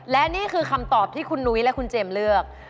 และนี่คือคำตอบที่คุณนุ้ยและคุณเจมส์เลือก